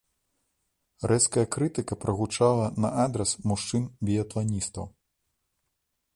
Рэзкая крытыка прагучала на адрас мужчын-біятланістаў.